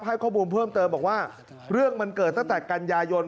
ให้ข้อมูลเพิ่มเติมบอกว่าเรื่องมันเกิดตั้งแต่กันยายน